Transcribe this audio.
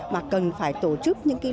mà cần phải tổ chức những lý do